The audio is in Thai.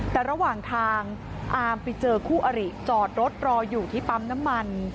แต่ระหว่างทางอาร์มไปเจอคู่อริจอดรถรออยู่ที่ปั๊มน้ำมัน